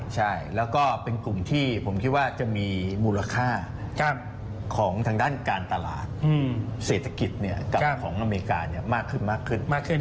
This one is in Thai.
ใช่แล้วก็เป็นกลุ่มที่ผมคิดว่าจะมีมูลค่าของทางด้านการตลาดเศรษฐกิจกับของอเมริกามากขึ้นมากขึ้น